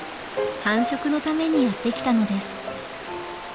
繁殖のためにやって来たのです。